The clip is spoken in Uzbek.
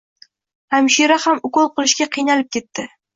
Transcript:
Hamshira ham ukol qilishga qiynalib ketdi